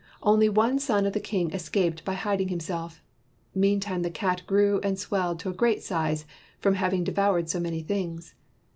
Only one son of the king escaped by hiding himself. Meantime the cat grew and swelled to a great size, from having devoured so many things.